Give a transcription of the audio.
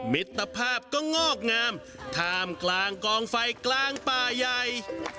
มิตรภาพก็งอกงามท่ามกลางกองไฟกลางป่าใหญ่